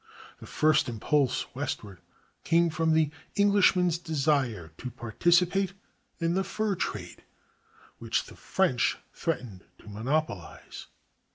The first impulse westward came from the Englishman's desire to participate in the fur trade which the French threatened to monopolize.